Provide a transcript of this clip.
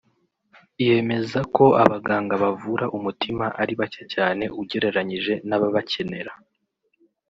yemeza ko abaganga bavura umutima ari bake cyane ugereranyije n’ababakenera